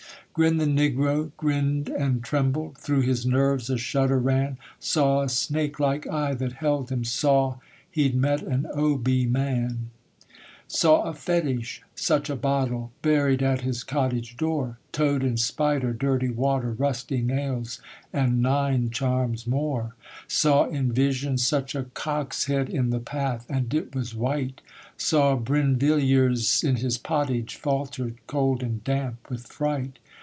Grinned the negro, grinned and trembled Through his nerves a shudder ran Saw a snake like eye that held him; Saw he'd met an Obeah man. Saw a fetish such a bottle Buried at his cottage door; Toad and spider, dirty water, Rusty nails, and nine charms more. Saw in vision such a cock's head In the path and it was white! Saw Brinvilliers in his pottage: Faltered, cold and damp with fright.